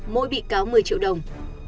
mỗi bị cao một mươi triệu đồng